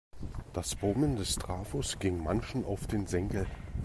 Das Brummen des Trafos ging manchem auf den Senkel.